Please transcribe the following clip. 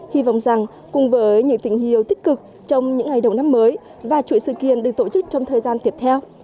hy vọng rằng cùng với những tình yêu tích cực trong những ngày đầu năm mới và chuỗi sự kiện được tổ chức trong thời gian tiếp theo